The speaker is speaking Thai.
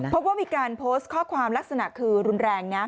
พบว่ามีการโพสต์ข้อความลักษณะคือรุนแรงนะ